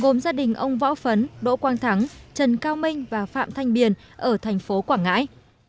gồm gia đình ông võ phấn đỗ quang thắng trần cao minh và phạm thanh biển ở thành phố quảng ngãi